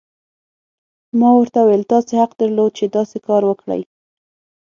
ما ورته وویل: تاسي حق درلود، چې داسې کار وکړي.